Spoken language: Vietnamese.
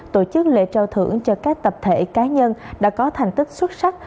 tổ chức lễ trao thưởng cho các tập thể cá nhân đã có thành tích xuất sắc